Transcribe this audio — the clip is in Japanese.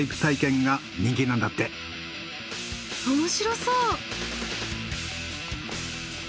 面白そう。